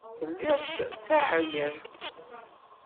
Telliḍ d taɛeryant.